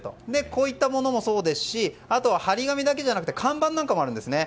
こういったものもそうですしあとは貼り紙だけじゃなくて看板なんかもあるんですね。